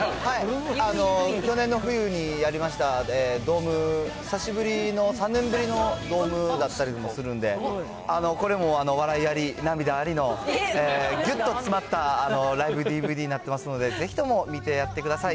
去年の冬にやりましたドーム、久しぶりの３年ぶりのドームだったりもするんで、これも笑いあり涙ありのぎゅっと詰まったライブＤＶＤになっていますので、ぜひとも見てやってください。